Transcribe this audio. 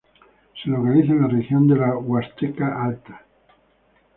Se localiza en la región de la Huasteca Alta.